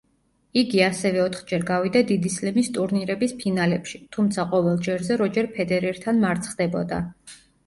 იგი ასევე ოთხჯერ გავიდა დიდი სლემის ტურნირების ფინალებში, თუმცა ყოველ ჯერზე როჯერ ფედერერთან მარცხდებოდა.